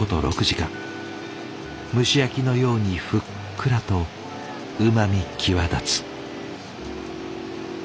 蒸し焼きのようにふっくらとうまみ際立つ。